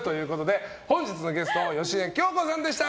本日のゲストは芳根京子さんでした！